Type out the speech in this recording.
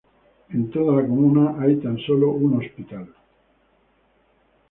En toda la comuna hay, tan solo, un hospital.